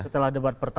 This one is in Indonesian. setelah debat pertama